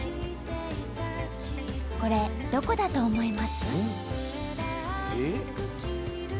これどこだと思います？